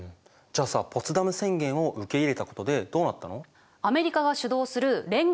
じゃあさポツダム宣言を受け入れたことでどうなったの？